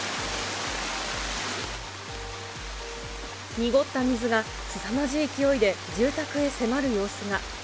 濁った水がすさまじい勢いで住宅へ迫る様子が。